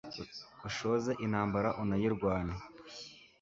ushoze intambara unayirwane